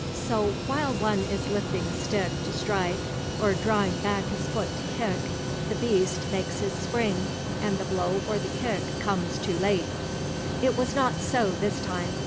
So, while one is lifting a stick to strike or drawing back his foot to kick, the beast makes his spring, and the blow or the kick comes too late. It was not so this time.